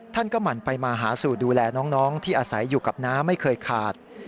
ท่านก็หมั่นไปมาหาสู่ดูแลน้องที่อาศัยอยู่กับน้าไม่เคยขาด